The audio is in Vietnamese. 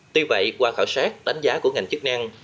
tuy vậy qua khảo sát đánh giá của ngành chức năng